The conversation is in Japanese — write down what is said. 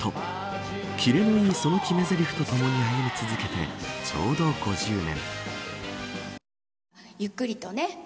切れのいいその決めゼリフとともに歩み続けてちょうど５０年。